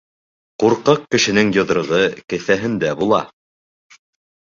Курҡаҡ кешенең йоҙроғо кеҫәһендә була.